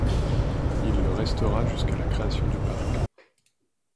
Il le restera jusqu'à la création du parc.